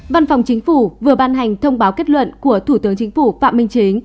văn phòng chính phủ vừa ban hành thông báo kết luận của thủ tướng chính phủ phạm minh chính